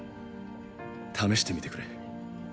試してみてくれ。